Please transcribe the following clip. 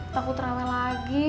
takut rawe lagi